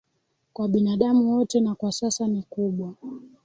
kwa binadamu wote na kwa sasa ni kubwa